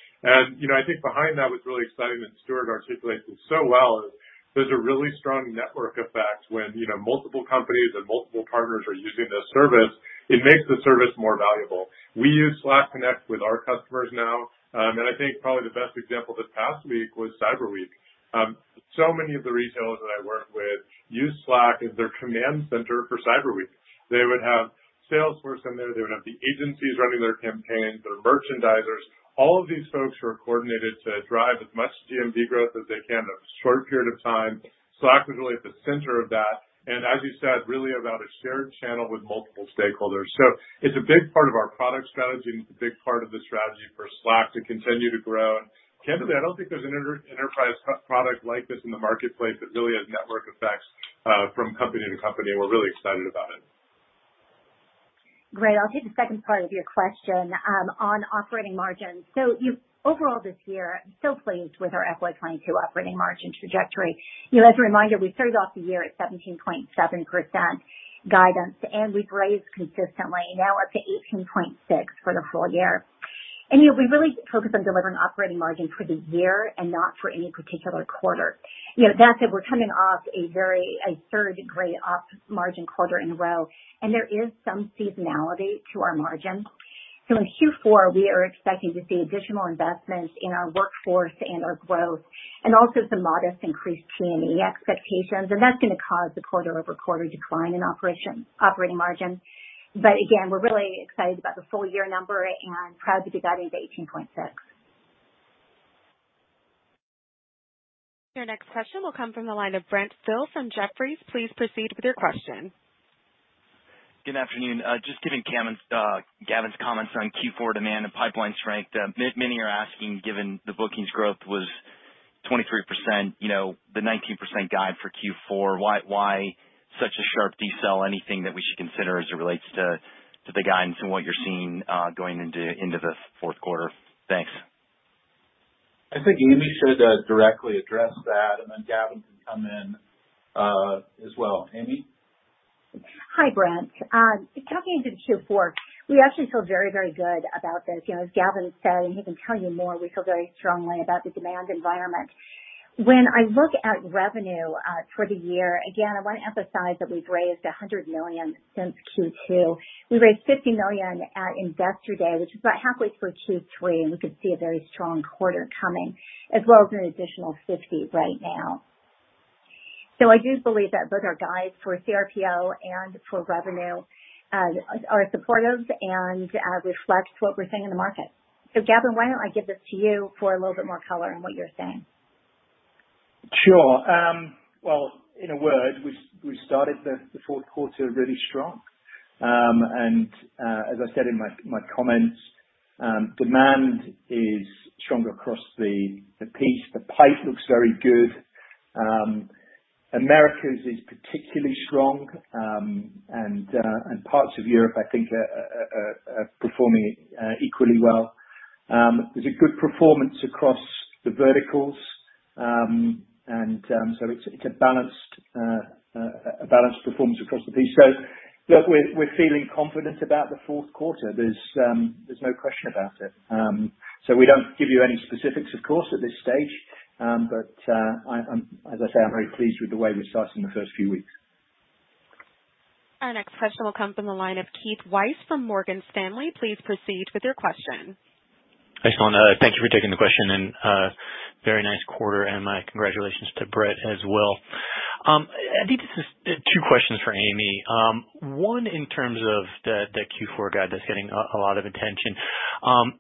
You know, I think behind that was really exciting, that Stewart articulated so well, is there's a really strong network effect when, you know, multiple companies and multiple partners are using the service, it makes the service more valuable. We use Slack Connect with our customers now. I think probably the best example this past week was Cyber Week. Many of the retailers that I work with use Slack as their command center for Cyber Week. They would have Salesforce in there. They would have the agencies running their campaigns, their merchandisers. All of these folks are coordinated to drive as much GMV growth as they can in a short period of time. Slack was really at the center of that, and as you said, really about a shared channel with multiple stakeholders. It's a big part of our product strategy, and it's a big part of the strategy for Slack to continue to grow. Candidly, I don't think there's an enterprise product like this in the marketplace that really has network effects from company to company, and we're really excited about it. Great. I'll take the second part of your question on operating margins. Overall, this year, I'm still pleased with our FY 2022 operating margin trajectory. You know, as a reminder, we started off the year at 17.7% guidance, and we've raised consistently. Now we're up to 18.6% for the full year. You know, we really focus on delivering operating margin for the year and not for any particular quarter. You know, that said, we're coming off a third great op margin quarter in a row, and there is some seasonality to our margins. In Q4, we are expecting to see additional investments in our workforce and our growth and also some modest increased T&E expectations, and that's gonna cause a quarter-over-quarter decline in operating margin. Again, we're really excited about the full year number and proud to be guiding to $18.6. Your next question will come from the line of Brent Thill from Jefferies. Please proceed with your question. Good afternoon. Just given Gavin's comments on Q4 demand and pipeline strength, many are asking, given the bookings growth was 23%, you know, the 19% guide for Q4, why such a sharp decel? Anything that we should consider as it relates to the guidance and what you're seeing going into the fourth quarter? Thanks. I think Amy should directly address that, and then Gavin can come in as well. Amy? Hi, Brent. Jumping into Q4, we actually feel very, very good about this. You know, as Gavin said, and he can tell you more, we feel very strongly about the demand environment. When I look at revenue for the year, again, I wanna emphasize that we've raised $100 million since Q2. We raised $50 million at Investor Day, which is about halfway through Q3, and we can see a very strong quarter coming, as well as an additional $50 million right now. I do believe that both our guides for CRPO and for revenue are supportive and reflect what we're seeing in the market. So, Gavin, why don't I give this to you for a little bit more color on what you're seeing? Sure. Well, in a word, we started the fourth quarter really strong. As I said in my comments, demand is stronger across the piece. The pipe looks very good. Americas is particularly strong, and parts of Europe I think are performing equally well. There's a good performance across the verticals. It's a balanced performance across the piece. Look, we're feeling confident about the fourth quarter. There's no question about it. We don't give you any specifics, of course, at this stage. I'm very pleased with the way we're starting the first few weeks. Our next question will come from the line of Keith Weiss from Morgan Stanley. Please proceed with your question. Thanks a lot. Thank you for taking the question, and very nice quarter, and my congratulations to Bret as well. I think this is two questions for Amy. One, in terms of the Q4 guide that's getting a lot of attention.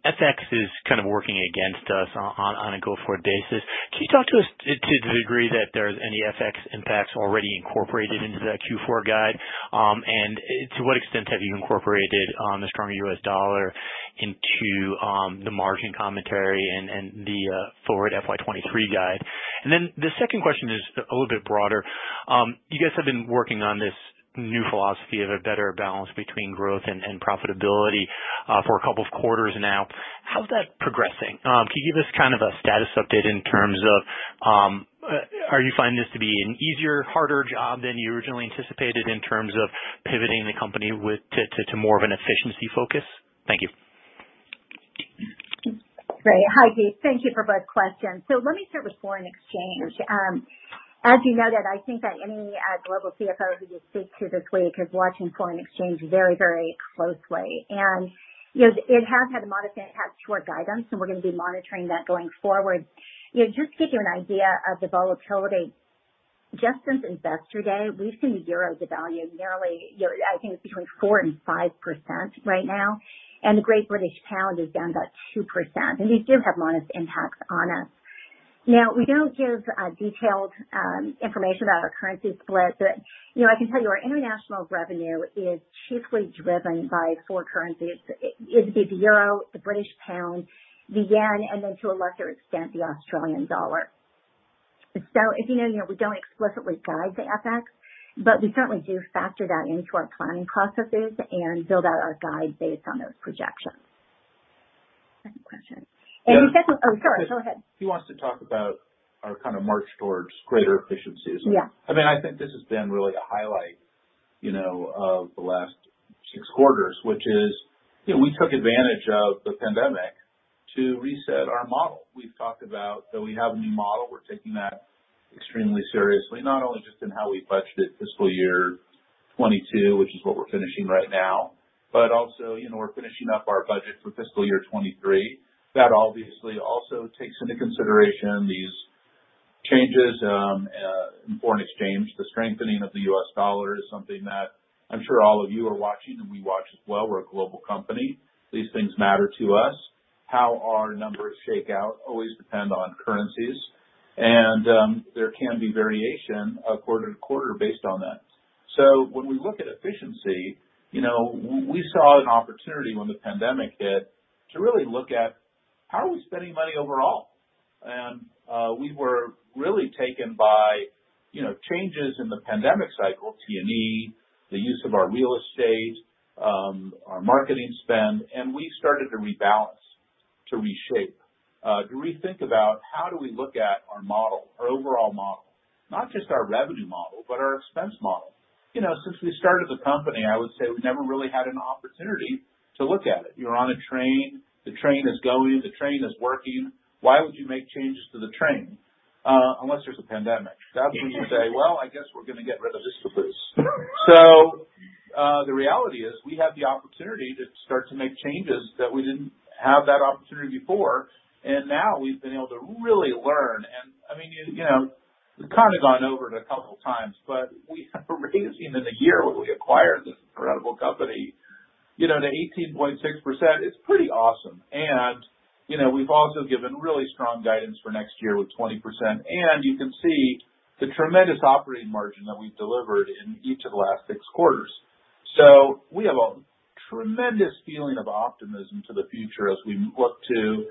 FX is kind of working against us on a go-forward basis. Can you talk to us to the degree that there's any FX impacts already incorporated into the Q4 guide? And to what extent have you incorporated the stronger U.S. dollar into the margin commentary and the forward FY 2023 guide? And then the second question is a little bit broader. You guys have been working on this new philosophy of a better balance between growth and profitability for a couple of quarters now. How's that progressing? Can you give us kind of a status update in terms of, are you finding this to be an easier, harder job than you originally anticipated in terms of pivoting the company to more of an efficiency focus? Thank you. Great. Hi, Keith. Thank you for both questions. Let me start with foreign exchange. As you noted, I think that any global CFO who you speak to this week is watching foreign exchange very, very closely. You know, it has had a modest impact to our guidance, and we're gonna be monitoring that going forward. You know, just to give you an idea of the volatility, just since Investor Day, we've seen the euro devalue nearly, you know, I think it's between 4% and 5% right now, and the great British pound is down about 2%. These do have modest impacts on us. Now, we don't give detailed information about our currency split, but, you know, I can tell you our international revenue is chiefly driven by four currencies. It's, it'd be the euro, the British pound, the yen, and then to a lesser extent, the Australian dollar. As you know, you know, we don't explicitly guide the FX, but we certainly do factor that into our planning processes and build out our guide based on those projections. Oh, sorry. Go ahead. He wants to talk about our kind of march towards greater efficiency as well. Yeah. I mean, I think this has been really the highlight, you know, of the last six quarters, which is, you know, we took advantage of the pandemic to reset our model. We've talked about that we have a new model. We're taking that extremely seriously, not only just in how we budgeted fiscal year 2022, which is what we're finishing right now, but also, you know, we're finishing up our budget for fiscal year 2023. That obviously also takes into consideration these changes in foreign exchange. The strengthening of the U.S. dollar is something that I'm sure all of you are watching, and we watch as well. We're a global company. These things matter to us. How our numbers shake out always depend on currencies. There can be variation of quarter to quarter based on that. When we look at efficiency, you know, we saw an opportunity when the pandemic hit to really look at how are we spending money overall. We were really taken by, you know, changes in the pandemic cycle, T&E, the use of our real estate, our marketing spend, and we started to rebalance, to reshape, to rethink about how do we look at our model, our overall model, not just our revenue model, but our expense model. You know, since we started the company, I would say we never really had an opportunity to look at it. You're on a train, the train is going, the train is working. Why would you make changes to the train? Unless there's a pandemic. That's when you say, "Well, I guess we're gonna get rid of this caboose." The reality is we have the opportunity to start to make changes that we didn't have that opportunity before. Now we've been able to really learn. I mean, you know, we've kind of gone over it a couple times, but we have raised even the year when we acquired this incredible company, you know, to 18.6% is pretty awesome. You know, we've also given really strong guidance for next year with 20%. You can see the tremendous operating margin that we've delivered in each of the last six quarters. We have a tremendous feeling of optimism for the future as we look to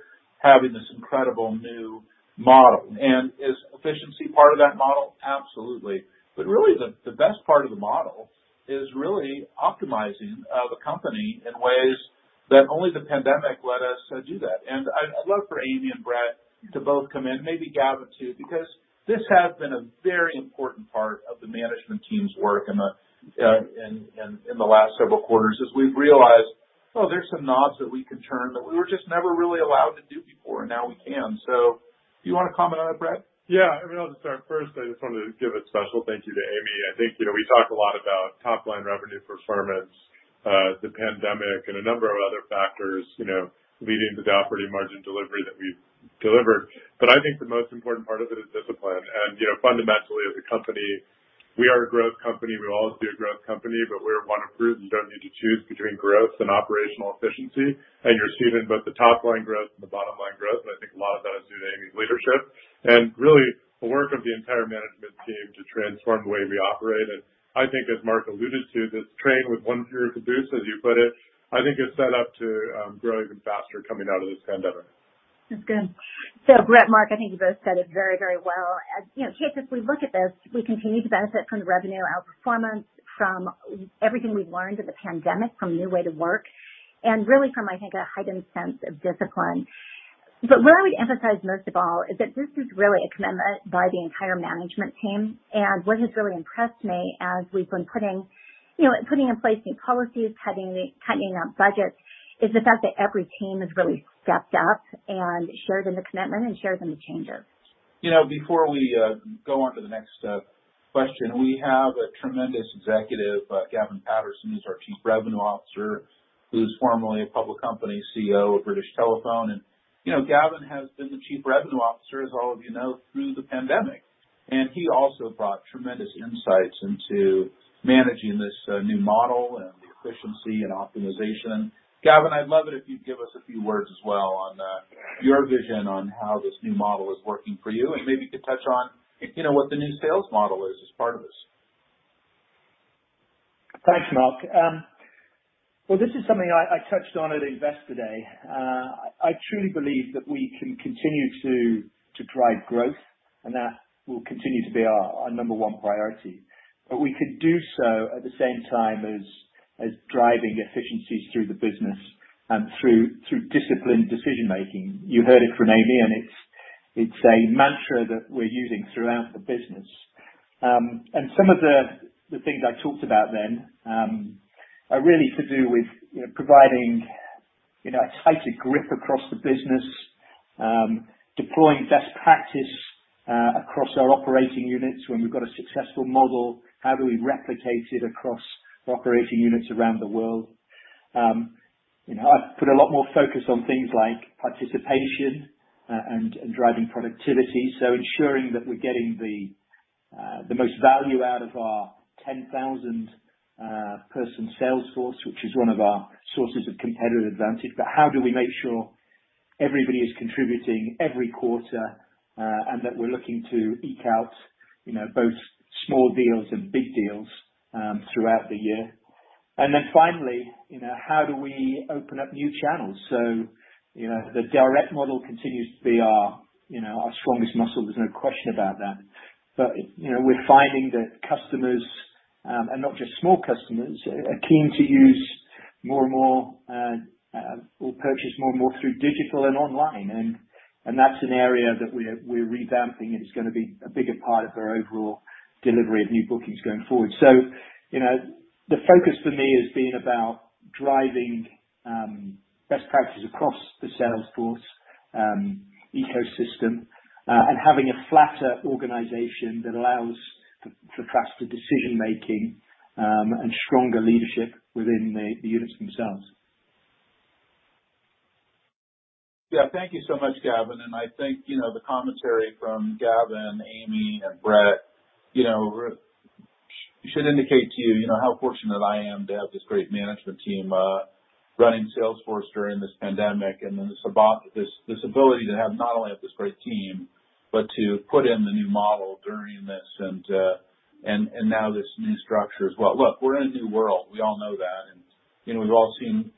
having this incredible new model. Is efficiency part of that model? Absolutely. Really, the best part of the model is really optimizing the company in ways that only the pandemic let us do that. I'd love for Amy and Bret to both come in, maybe Gavin too, because this has been a very important part of the management team's work in the last several quarters. We've realized, oh, there's some knobs that we can turn that we were just never really allowed to do before. Now we can. Do you wanna comment on it, Bret? Yeah. I mean, I'll just start. First, I just wanted to give a special thank you to Amy. I think, you know, we talked a lot about top-line revenue performance, the pandemic, and a number of other factors, you know, leading to the operating margin delivery that we've delivered. I think the most important part of it is discipline. You know, fundamentally, as a company, we are a growth company. We will always be a growth company. You don't need to choose between growth and operational efficiency. You're seeing it, both the top-line growth and the bottom-line growth. I think a lot of that is due to Amy's leadership and really the work of the entire management team to transform the way we operate. I think as Marc alluded to, this train with one fewer caboose, as you put it, I think is set up to grow even faster coming out of this pandemic. That's good. Bret, Marc, I think you both said it very, very well. As, you know, as we look at this, we continue to benefit from the revenue outperformance, from everything we've learned in the pandemic, from new way to work, and really from, I think, a heightened sense of discipline. Where I would emphasize most of all is that this is really a commitment by the entire management team. What has really impressed me as we've been putting, you know, in place new policies, cutting our budgets, is the fact that every team has really stepped up and shared in the commitment and shared in the changes. You know, before we go on to the next question, we have a tremendous executive, Gavin Patterson, who's our Chief Revenue Officer, who's formerly a public company CEO of BT Group. You know, Gavin has been the Chief Revenue Officer, as all of you know, through the pandemic. He also brought tremendous insights into managing this new model and the efficiency and optimization. Gavin, I'd love it if you'd give us a few words as well on your vision on how this new model is working for you, and maybe you could touch on, you know, what the new sales model is as part of this. Thanks, Marc. Well, this is something I touched on at Investor Day. I truly believe that we can continue to drive growth, and that will continue to be our number one priority. We can do so at the same time as driving efficiencies through the business and through disciplined decision making. You heard it from Amy, and it's a mantra that we're using throughout the business. Some of the things I talked about then are really to do with, you know, providing, you know, a tighter grip across the business, deploying best practice across our operating units. When we've got a successful model, how do we replicate it across operating units around the world? You know, I've put a lot more focus on things like participation and driving productivity. Ensuring that we're getting the most value out of our 10,000 person sales force, which is one of our sources of competitive advantage. How do we make sure everybody is contributing every quarter, and that we're looking to eke out, you know, both small deals and big deals throughout the year? Then finally, you know, how do we open up new channels? You know, the direct model continues to be our, you know, our strongest muscle. There's no question about that. You know, we're finding that customers and not just small customers are keen to use more and more or purchase more and more through digital and online. That's an area that we're revamping, and it's gonna be a bigger part of our overall delivery of new bookings going forward. you know, the focus for me has been about driving best practices across the Salesforce ecosystem, and having a flatter organization that allows for faster decision-making, and stronger leadership within the units themselves. Yeah. Thank you so much, Gavin. I think, you know, the commentary from Gavin, Amy, and Bret, you know, should indicate to you know, how fortunate I am to have this great management team running Salesforce during this pandemic, and then this ability to have not only this great team, but to put in the new model during this and now this new structure as well. Look, we're in a new world. We all know that. I think, you know, we've all seen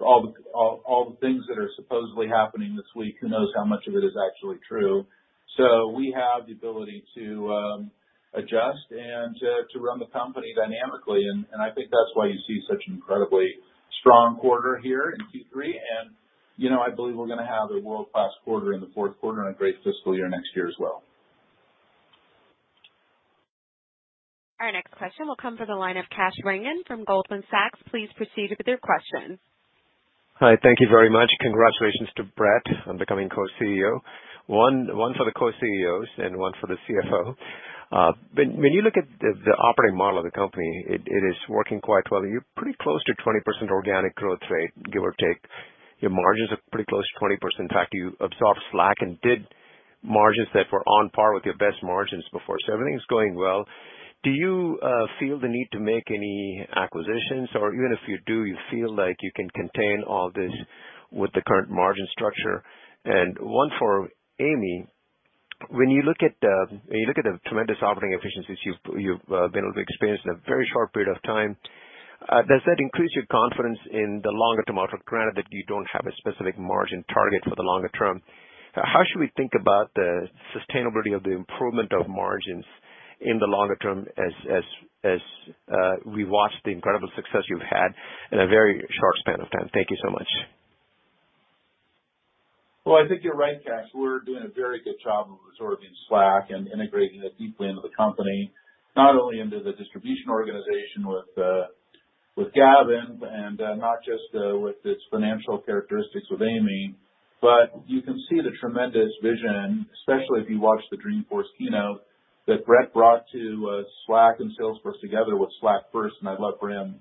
all the things that are supposedly happening this week. Who knows how much of it is actually true? We have the ability to adjust and to run the company dynamically. I think that's why you see such an incredibly strong quarter here in Q3. You know, I believe we're gonna have a world-class quarter in the fourth quarter and a great fiscal year next year as well. Our next question will come from the line of Kash Rangan from Goldman Sachs. Please proceed with your question. Hi. Thank you very much. Congratulations to Bret on becoming Co-CEO. One for the Co-CEOs and one for the CFO. When you look at the operating model of the company, it is working quite well. You're pretty close to 20% organic growth rate, give or take. Your margins are pretty close to 20%. In fact, you absorbed Slack and did margins that were on par with your best margins before. Everything's going well. Do you feel the need to make any acquisitions, or even if you do, you feel like you can contain all this with the current margin structure? One for Amy. When you look at the tremendous operating efficiencies you've been able to experience in a very short period of time, does that increase your confidence in the longer-term outlook, granted that you don't have a specific margin target for the longer term? How should we think about the sustainability of the improvement of margins in the longer term as we watch the incredible success you've had in a very short span of time? Thank you so much. Well, I think you're right, Kash. We're doing a very good job of absorbing Slack and integrating it deeply into the company, not only into the distribution organization with Gavin and not just with its financial characteristics with Amy, but you can see the tremendous vision, especially if you watch the Dreamforce keynote that Bret brought to Slack and Salesforce together with Slack first, and I'd love for him to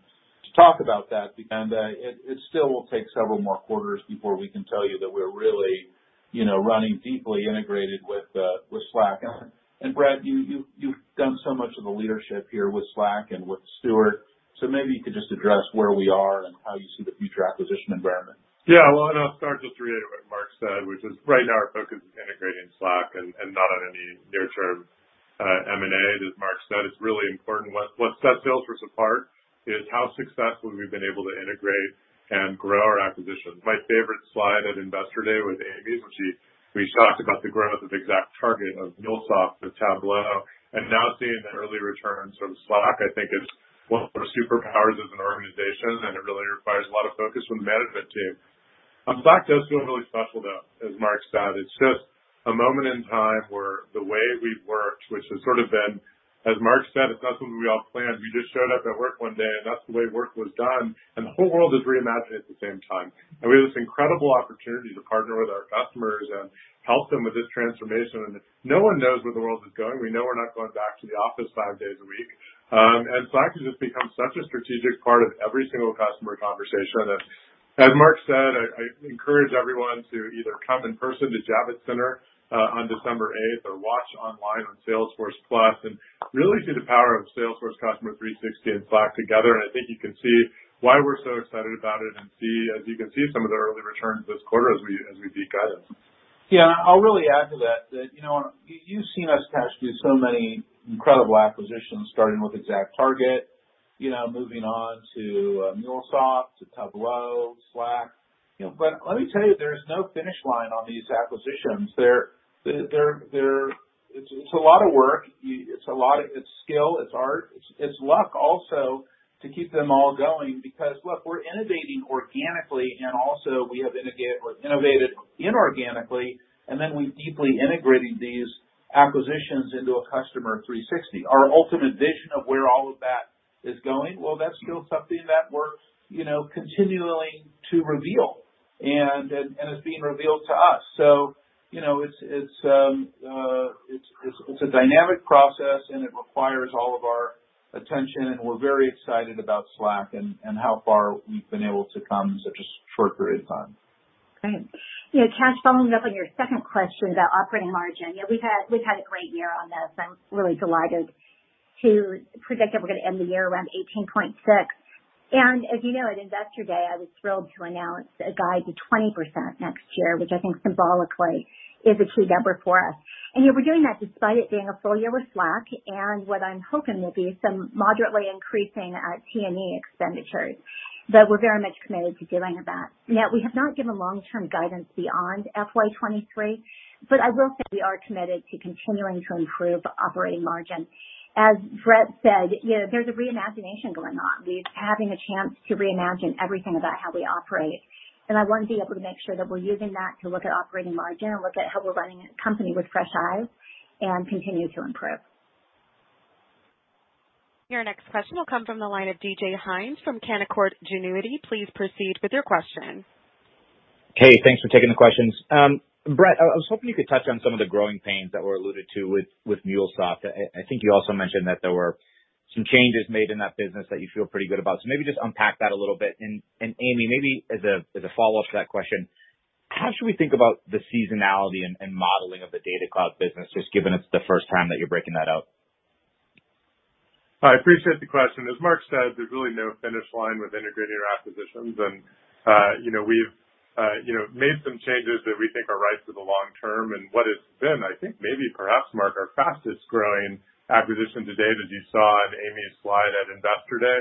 talk about that. It still will take several more quarters before we can tell you that we're really, you know, running deeply integrated with Slack. Bret, you've done so much of the leadership here with Slack and with Stewart. Maybe you could just address where we are and how you see the future acquisition environment. Yeah. Well, and I'll start just to reiterate what Marc said, which is right now our focus is integrating Slack and not on any near-term M&A. As Marc said, it's really important. What sets Salesforce apart is how successfully we've been able to integrate and grow our acquisitions. My favorite slide at Investor Day was Amy's, when she talked about the growth of ExactTarget, of MuleSoft, of Tableau, and now seeing the early returns from Slack, I think is one of our superpowers as an organization, and it really requires a lot of focus from the management team. Slack does feel really special, though, as Marc said. It's just a moment in time where the way we've worked, which has sort of been, as Marc said, it's not something we all planned. We just showed up at work one day, and that's the way work was done, and the whole world is reimagining at the same time. We have this incredible opportunity to partner with our customers and help them with this transformation, and no one knows where the world is going. We know we're not going back to the office five days a week. Slack has just become such a strategic part of every single customer conversation. As Marc said, I encourage everyone to either come in person to Javits Center on December eighth or watch online on Salesforce+ and really see the power of Salesforce Customer 360 and Slack together. I think you can see why we're so excited about it and see, as you can see, some of the early returns this quarter as we beat guidance. Yeah. I'll really add to that, you know, you've seen us, Kash, do so many incredible acquisitions, starting with ExactTarget, you know, moving on to MuleSoft, to Tableau, Slack. You know, let me tell you, there is no finish line on these acquisitions. They're a lot of work. It's skill, it's art, it's luck also to keep them all going because look, we're innovating organically and also, we have innovated inorganically, and then we've deeply integrated these acquisitions into a Customer 360. Our ultimate vision of where all of that is going, well, that's still something that we're, you know, continually to reveal and it's being revealed to us. You know, it's a dynamic process, and it requires all of our attention, and we're very excited about Slack and how far we've been able to come in such a short period of time. Great. You know, Kash, following up on your second question about operating margin. You know, we've had a great year on this. I'm really delighted to predict that we're gonna end the year around 18.6%. As you know, at Investor Day, I was thrilled to announce a guide to 20% next year, which I think symbolically is a key number for us. You know, we're doing that despite it being a full year with Slack and what I'm hoping will be some moderately increasing T&E expenditures. We're very much committed to doing that. Now, we have not given long-term guidance beyond FY 2023, but I will say we are committed to continuing to improve operating margin. As Bret said, you know, there's a reimagination going on. We're having a chance to reimagine everything about how we operate. I want to be able to make sure that we're using that to look at operating margin and look at how we're running a company with fresh eyes and continue to improve. Your next question will come from the line of DJ Hynes from Canaccord Genuity. Please proceed with your question. Hey, thanks for taking the questions. Bret, I was hoping you could touch on some of the growing pains that were alluded to with MuleSoft. I think you also mentioned that there were some changes made in that business that you feel pretty good about. Maybe just unpack that a little bit. Amy, maybe as a follow-up to that question, how should we think about the seasonality and modeling of the Data Cloud business, just given it's the first time that you're breaking that out? I appreciate the question. As Marc said, there's really no finish line with integrating our acquisitions. You know, we've made some changes that we think are right for the long term. What has been, I think, maybe perhaps, Marc, our fastest growing acquisition to date, as you saw on Amy's slide at Investor Day.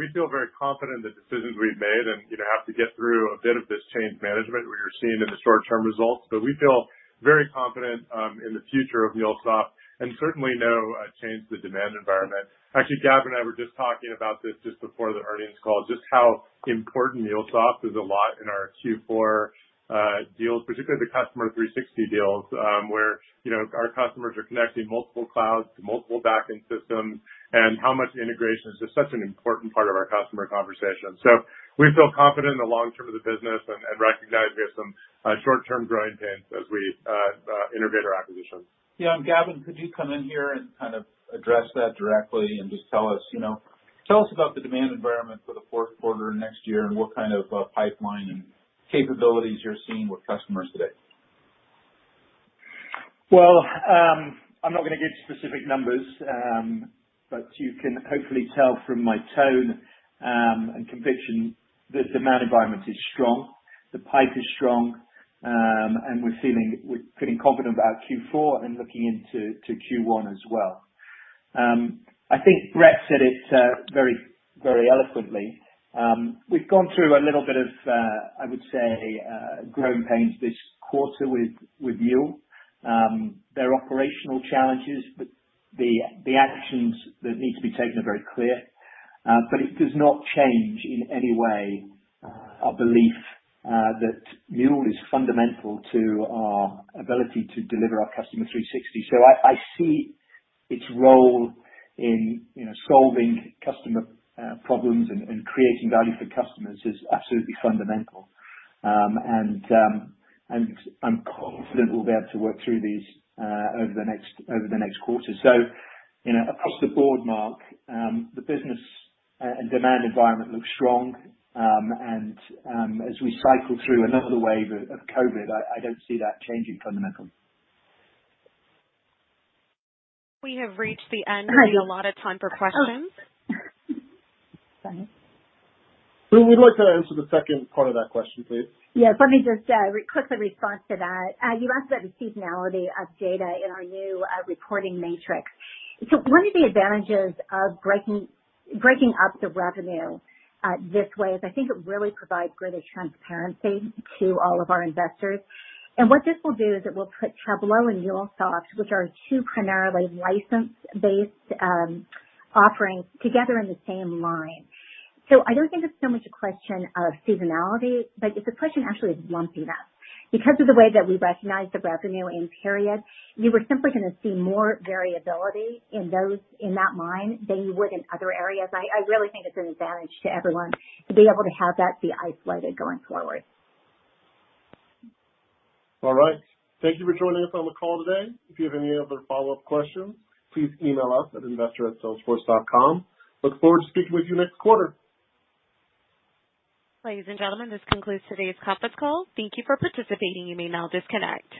We feel very confident in the decisions we've made, and, you know, have to get through a bit of this change management we are seeing in the short-term results. We feel very confident in the future of MuleSoft and certainly no change to the demand environment. Actually, Gavin and I were just talking about this just before the earnings call, just how important MuleSoft is a lot in our Q4 deals, particularly the Customer 360 deals, where, you know, our customers are connecting multiple clouds to multiple backend systems, and how much integration is just such an important part of our customer conversation. We feel confident in the long term of the business and recognize we have some short-term growing pains as we integrate our acquisitions. Yeah. Gavin, could you come in here and kind of address that directly and just tell us, you know, tell us about the demand environment for the fourth quarter next year and what kind of pipeline and capabilities you're seeing with customers today. Well, I'm not gonna give specific numbers, but you can hopefully tell from my tone and conviction that the demand environment is strong, the pipe is strong, and we're feeling confident about Q4 and looking into Q1 as well. I think Bret said it very, very eloquently. We've gone through a little bit of, I would say, growing pains this quarter with Mule. There are operational challenges, but the actions that need to be taken are very clear. It does not change in any way our belief that Mule is fundamental to our ability to deliver our Customer 360. I see its role in, you know, solving customer problems and creating value for customers is absolutely fundamental. I'm confident we'll be able to work through these over the next quarter. You know, across the board, Marc, the business and demand environment looks strong. As we cycle through another wave of COVID, I don't see that changing fundamentally. We have reached the end of the allotted time for questions. Sorry. Who would like to answer the second part of that question, please? Yeah. Let me just quickly respond to that. You asked about the seasonality of data in our new reporting matrix. One of the advantages of breaking up the revenue this way is I think it really provides greater transparency to all of our investors. What this will do is it will put Tableau and MuleSoft, which are two primarily license-based offerings, together in the same line. I don't think it's so much a question of seasonality, but it's a question actually of lumpiness. Because of the way that we recognize the revenue in period, you are simply gonna see more variability in those, in that line, than you would in other areas. I really think it's an advantage to everyone to be able to have that be isolated going forward. All right. Thank you for joining us on the call today. If you have any other follow-up questions, please email us at investor@salesforce.com. We look forward to speaking with you next quarter. Ladies and gentlemen, this concludes today's conference call. Thank you for participating. You may now disconnect.